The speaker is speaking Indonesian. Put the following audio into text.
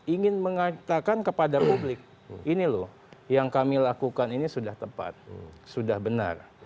ingin mengatakan kepada publik ini loh yang kami lakukan ini sudah tepat sudah benar